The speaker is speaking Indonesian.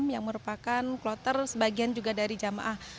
yang merupakan kloter sebagian juga dari jamaah